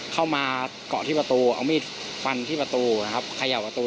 เข้ามาเกาะที่ประตูเอามีดปั่นที่ประตูขยะประตู